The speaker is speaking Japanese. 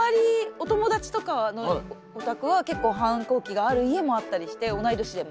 お友達とかのお宅は結構反抗期がある家もあったりして同い年でも。